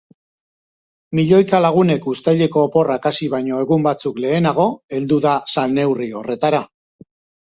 Milioika lagunek uztaileko oporrak hasi baino egun batzuk lehenago heldu da salneurri horretara.